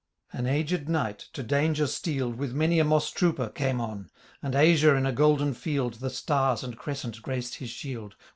An aged Knight, to danger steePd, "With many a moss trooper, came on ; And azure in a golden field, The stars and crescent graced his shield.